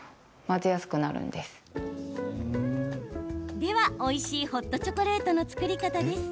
では、おいしいホットチョコレートの作り方です。